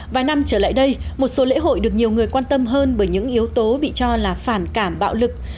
vài năm trở lại đây một số lễ hội được nhiều người quan tâm hơn bởi những yếu tố bị cho là phản cảm bạo lực